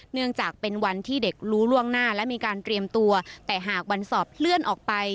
เนื่องจากเป็นวันที่เด็กรู้ล่วงหน้าและมีการเตรียมตัวแต่หากวันสอบเลื่อนออกไป